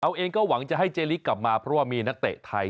เอาเองก็หวังจะให้เจลิกกลับมาเพราะว่ามีนักเตะไทย